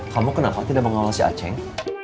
kamu kenapa tidak mengawal si aceng